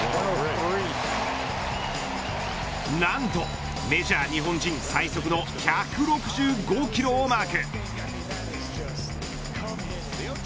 なんと、メジャー日本人最速の１６５キロをマーク。